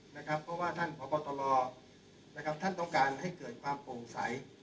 เพราะว่าท่านพบตรนะครับท่านต้องการให้เกิดความโปร่งใส